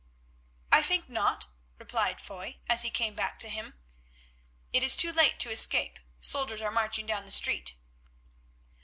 "I think not," replied Foy, as he came back to him. "It is too late to escape. Soldiers are marching down the street."